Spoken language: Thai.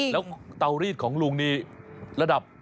แล้วเตารีดของลุงนี่ระดับ